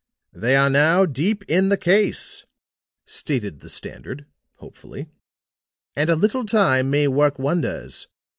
"They are now deep in the case," stated the Standard, hopefully, "and a little time may work wonders.